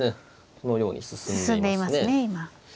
このように進んでいますね。